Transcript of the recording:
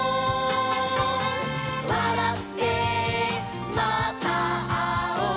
「わらってまたあおう」